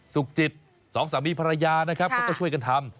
สุขจิตสองสามีภรรยานะครับเขาก็ช่วยกันทำ